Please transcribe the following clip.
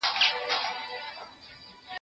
شپه او ورځ به په رنځور پوري حیران وه